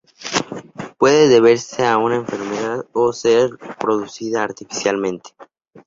Puede deberse a una enfermedad, o ser producida artificialmente.